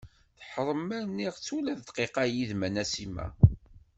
Taḥrem ma rniɣ-tt ula d dqiqa yid-m a Nasima.